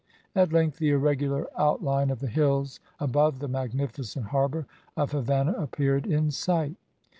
At length the irregular outline of the hills above the magnificent harbour of Havannah appeared in sight.